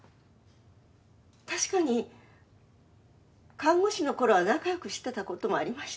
確かに看護師の頃は仲よくしてた事もありました。